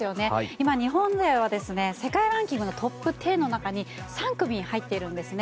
今、日本勢は世界ランキングのトップ１０中に３組入っているんですね。